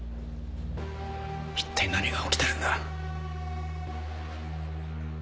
一体何が起きてるんだ？